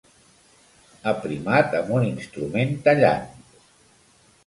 Aprimat amb un instrument tallant.